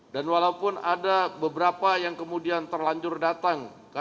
dan walaupun ada beberapa yang kemudian terlalu banyak yang berpikir